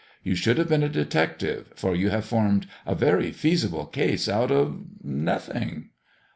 You should have been a detective, for you have formed a very feasible case out of — nothing."